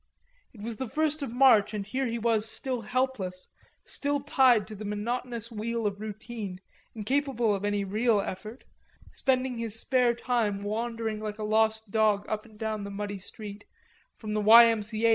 It was the first of March and here he was still helpless, still tied to the monotonous wheel of routine, incapable of any real effort, spending his spare time wandering like a lost dog up and down this muddy street, from the Y. M. C. A.